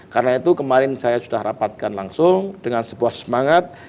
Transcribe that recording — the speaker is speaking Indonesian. karena itu kemarin saya sudah rapatkan langsung dengan sebuah semangat